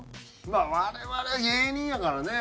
まあ我々芸人やからね。